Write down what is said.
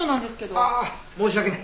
ああ申し訳ない。